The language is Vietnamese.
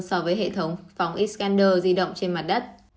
so với hệ thống phóng iskander di động trên mặt đất